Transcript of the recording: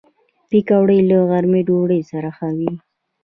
پکورې له غرمې ډوډۍ سره ښه وي